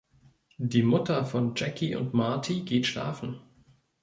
Die Mutter von Jackie und Marty geht schlafen.